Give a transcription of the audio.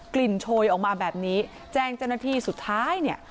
โชยออกมาแบบนี้แจ้งเจ้าหน้าที่สุดท้ายเนี่ย